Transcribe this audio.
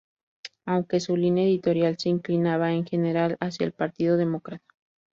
Aunque su línea editorial se inclinaba, en general, hacia el Partido Demócrata.